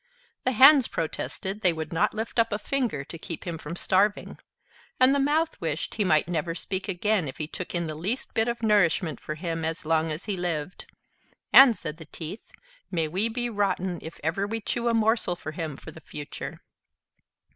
The Hands protested they would not lift up a finger to keep him from starving; and the Mouth wished he might never speak again if he took in the least bit of nourishment for him as long as he lived; and, said the Teeth, may we be rotten if ever we chew a morsel for him for the future.